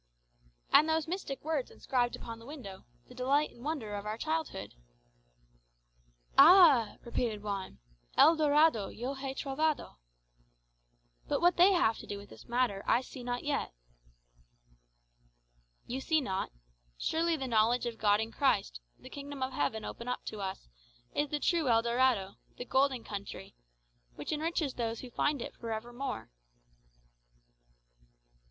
"And those mystic words inscribed upon the window, the delight and wonder of our childhood " "Ah!" repeated Juan "El Dorado Yo hé trovado." But what they have to do with the matter I see not yet." "You see not? Surely the knowledge of God in Christ, the kingdom of heaven opened up to us, is the true El Dorado, the golden country, which enriches those who find it for ever more."